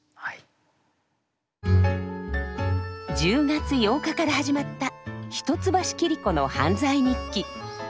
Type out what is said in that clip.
１０月８日から始まった「一橋桐子の犯罪日記」。